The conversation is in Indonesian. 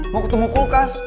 mau ketemu kulkas